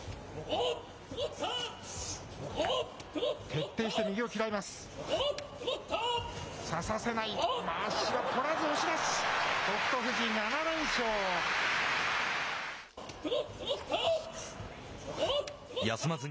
徹底して右を嫌います。